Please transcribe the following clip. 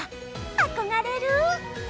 憧れる！